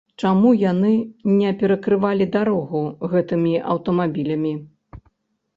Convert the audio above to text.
Чаму яны не перакрывалі дарогу гэтымі аўтамабілямі?